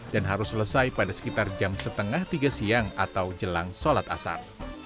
dan harus selesai pada sekitar jam setengah tiga siang atau jelang sholat asar